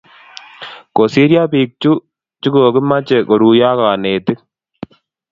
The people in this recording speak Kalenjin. Kosiryo biik chu cho ko kimoche koruyo ak konetik.